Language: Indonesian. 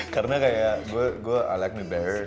karena kayak gue gue i like me better